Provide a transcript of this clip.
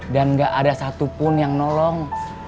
dan gak ada satupun yang nolong